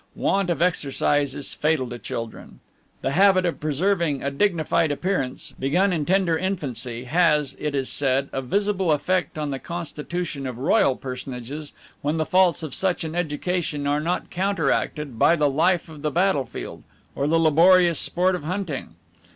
Want of exercise is fatal to children. The habit of preserving a dignified appearance, begun in tender infancy, has, it is said, a visible effect on the constitution of royal personages when the faults of such an education are not counteracted by the life of the battle field or the laborious sport of hunting.